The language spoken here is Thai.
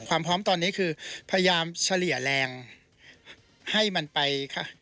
ความพร้อมตอนนี้คือพยายามเฉลี่ยแรงให้มันไปค่ะ